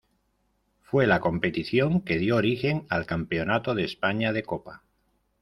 Fue la competición que dio origen al Campeonato de España de Copa.